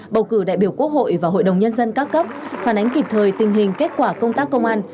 bầu cử đại biểu quốc hội và hội đồng nhân dân các cấp phản ánh kịp thời tình hình kết quả công tác công an